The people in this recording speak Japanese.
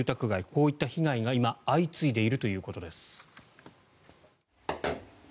こういった被害が今相次いでいるということです。